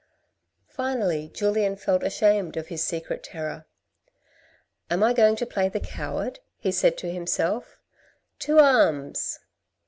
Finally, Julien felt ashamed of his secret terror. " Am I going to play the coward," he said to himself: " To Arms!"